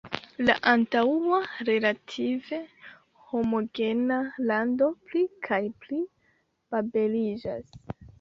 La antaŭa relative homogena lando pli kaj pli babeliĝas.